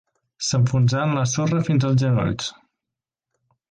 S'enfonsà en la sorra fins als genolls.